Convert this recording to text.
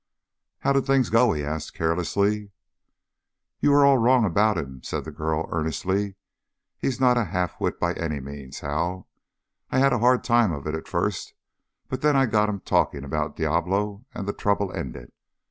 "How did things go?" he asked carelessly. "You were all wrong about him," said the girl earnestly. "He's not a half wit by any means, Hal. I had a hard time of it at first, but then I got him talking about Diablo and the trouble ended.